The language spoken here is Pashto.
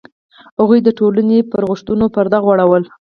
هغوی د ټولنې پر غوښتنو پرده غوړوله.